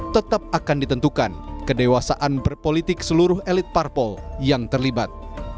tetap akan ditentukan kedewasaan berpolitik seluruh elit parpol yang terlibat